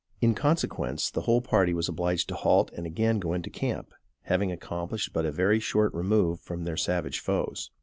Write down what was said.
In consequence, the whole party was obliged to halt and again go into camp, having accomplished but a very short remove from their savage foes.